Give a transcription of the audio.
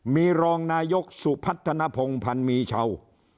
มีรองนายกสุพัฒนภงพันธ์มีเช่า